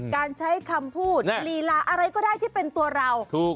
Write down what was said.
การใช้คำพูดลีลาอะไรก็ได้ที่เป็นตัวเรา